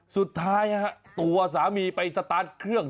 สุดท้ายตัวสามีไปสตาร์ทเครื่อง